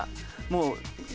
もう。